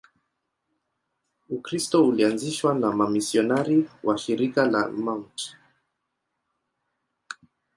Ukristo ulianzishwa na wamisionari wa Shirika la Mt.